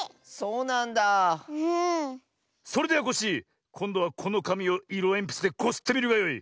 それではコッシーこんどはこのかみをいろえんぴつでこすってみるがよい。